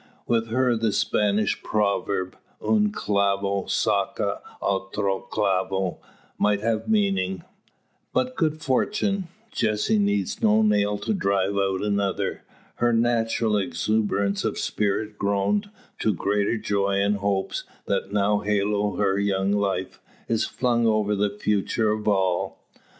With her the Spanish proverb, "un clavo saca otro clavo," might have meaning. By good fortune, Jessie needs no nail to drive out another. Her natural exuberance of spirits grown to greater joy from the hopes that now halo her young life, is flung over the future of all.